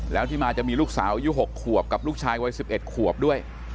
แล้วที่มาจะมีลูกสาวอายุ๖ขวบกับลูกชายวัย๑๑ขวบด้วย